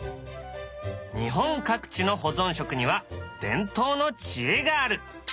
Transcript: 日本各地の保存食には伝統の知恵がある。